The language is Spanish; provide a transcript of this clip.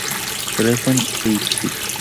Dresden; Leipzig"